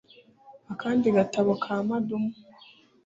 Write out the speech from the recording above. Akandi gatabo ka Madamu